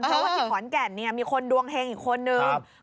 เพราะว่าที่ขอนแก่นมีคนดวงเฮงอีกคนนึง